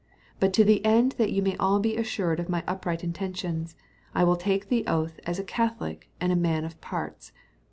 But to the end that you may all be assured of my upright intentions, I will take the oath as a catholic and a man of parts.